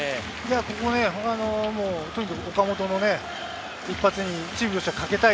ここは岡本の一発にチームとしてはかけたい。